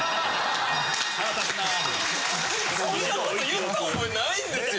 ・腹立つな・そんなこと言った覚えないんですよ。